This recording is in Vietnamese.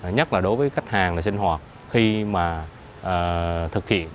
nhất là đối với khách hàng sinh hoạt khi mà thực hiện